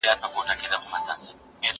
زه اوس تمرين کوم؟